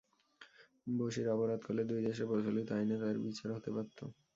বশির অপরাধ করলে দুই দেশের প্রচলিত আইনে তাঁর বিচার হতে পারত।